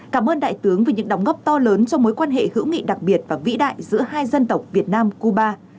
cảm ơn đại tướng về những đóng góp to lớn cho mối quan hệ hữu nghị đặc biệt và vĩ đại giữa hai dân tộc việt nam cuba